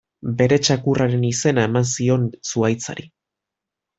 Bere txakurraren izena eman zion zuhaitzari.